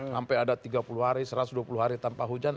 sampai ada tiga puluh hari satu ratus dua puluh hari tanpa hujan